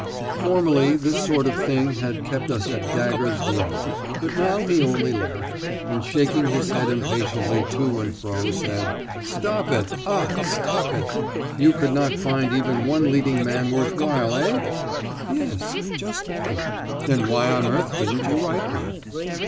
Formerly this sort of thing had kept us at daggers drawn, but now he only laughed, and shaking his hand impatiently to and fro, said: "Stop it! ah, stop it! So you could not find even one leading man worth while, eh?" "Yes just one!" "Then why on earth didn't you write me?"